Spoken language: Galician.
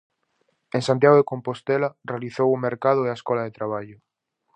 En Santiago de Compostela realizou o Mercado e a Escola de Traballo.